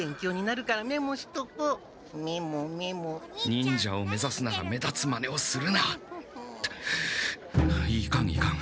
忍者を目指すなら目立つまねをするないかん